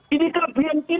ini kelebihan kita